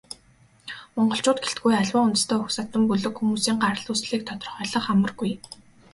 Монголчууд гэлтгүй, аливаа үндэстэн угсаатан, бүлэг хүмүүсийн гарал үүслийг тодорхойлох амаргүй.